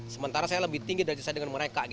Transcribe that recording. sementara saya lebih tinggi dari saya dengan mereka